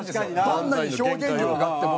どんなに表現力があっても。